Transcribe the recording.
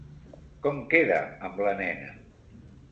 Com queda amb la nena?